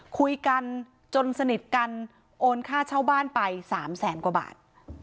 คุยกันจนสนิทกันโอนค่าเช่าบ้านไป๓แสนกว่าบาท